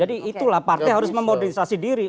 jadi itulah partai harus memodernisasi diri